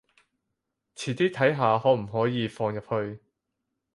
遲啲睇下可唔可以放入去